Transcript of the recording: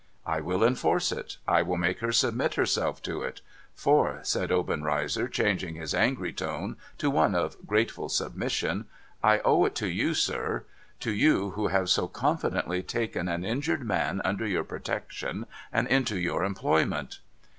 * I will enforce it. I will make her submit herself to it. For,' said Obenreizer, changing his angry tone to one of grateful sub mission, * I owe it to you, sir ; to you, who have so confidingly taken an injured man under your protection, and into your employment.'